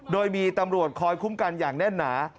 โดยมีตำรวจคอยคุ้มกันอย่างแน่นหนา